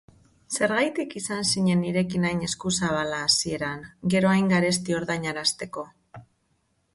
Zergatik izan zinen nirekin hain eskuzabala hasieran, gero hain garesti ordainarazteko?